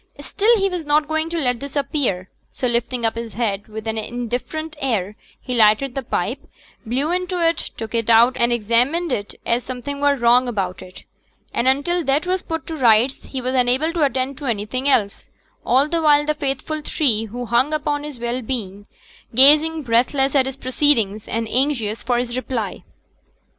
Still he was not going to let this appear, so lifting up his head with an indifferent air he lighted the pipe, blew into it, took it out and examined it as something were wrong about it, and until that was put to rights he was unable to attend to anything else; all the while the faithful three who hung upon his well being, gazing, breathless, at his proceedings, and anxious for his reply.